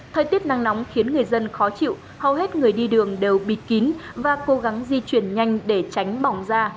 thời tiết nắng nóng khiến người dân khó chịu hầu hết người đi đường đều bịt kín và cố gắng di chuyển nhanh để tránh bỏng da